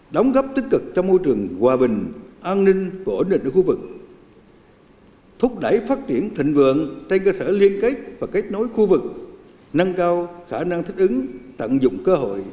đóng góp tích cực cho môi trường hòa bình an ninh và ổn định ở khu vực thúc đẩy phát triển thịnh vượng trên cơ sở liên kết và kết nối khu vực nâng cao khả năng thích ứng tận dụng cơ hội